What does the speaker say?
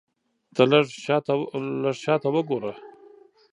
ته لږ شاته وګوره !